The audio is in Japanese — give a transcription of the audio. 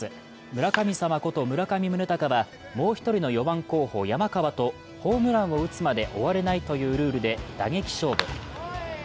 村神様こと村上宗隆がもう一人の４番候補、山川とホームランを打つまで終われないというルールで打撃勝負。